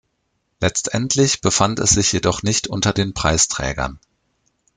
Letztendlich befand es sich jedoch nicht unter den Preisträgern.